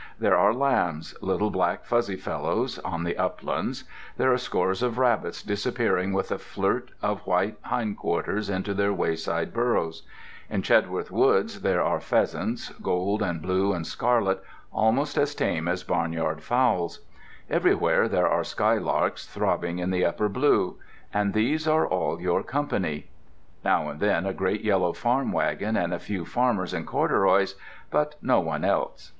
There are lambs, little black fuzzy fellows, on the uplands; there are scores of rabbits disappearing with a flirt of white hindquarters into their wayside burrows; in Chedworth Woods there are pheasants, gold and blue and scarlet, almost as tame as barnyard fowls; everywhere there are skylarks throbbing in the upper blue—and these are all your company. Now and then a great yellow farm wagon and a few farmers in corduroys—but no one else.